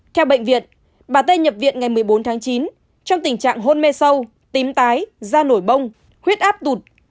theo bệnh viện bà tây nhập viện ngày một mươi bốn tháng chín trong tình trạng hôn mê sâu tím tái da nổi bông huyết áp tụt